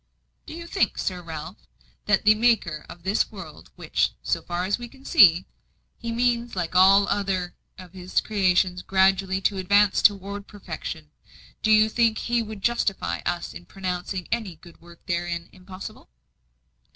"Do you think, Sir Ralph, that the Maker of this world which, so far as we can see, He means like all other of His creations gradually to advance toward perfection do you think He would justify us in pronouncing any good work therein 'impossible'?"